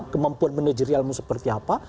kemampuan manajerialmu seperti apa